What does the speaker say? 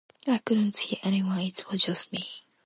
I couldn't hire anyone, it was just me.